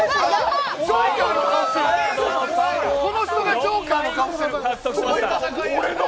この人がジョーカーの顔してる。